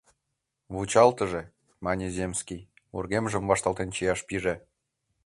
— Вучалтыже, — мане земский, вургемжым вашталтен чияш пиже.